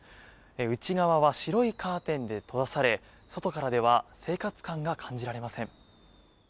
内側は白いカーテンで閉ざされ外からでは生活感が感じられません。